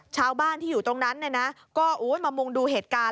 ชาวบ้านที่อยู่ตรงนั้นเนี่ยนะก็มามุงดูเหตุการณ์